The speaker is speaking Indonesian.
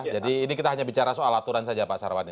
jadi ini kita hanya bicara soal aturan saja pak sarwani